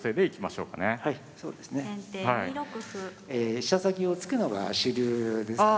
飛車先を突くのが主流ですかね。